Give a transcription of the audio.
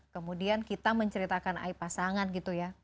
kemudian kita menceritakan aib pasangan gitu ya